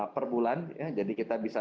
per bulan jadi kita bisa